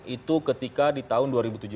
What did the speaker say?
itu ketika di tahun dua ribu tujuh belas